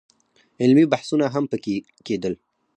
علمي بحثونه هم په کې کېدل.